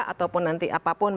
ataupun nanti apapun